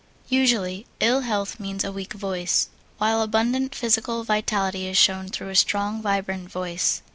Usually, ill health means a weak voice, while abundant physical vitality is shown through a strong, vibrant voice.